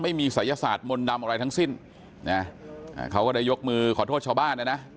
ศัยศาสตร์มนต์ดำอะไรทั้งสิ้นนะเขาก็ได้ยกมือขอโทษชาวบ้านนะนะ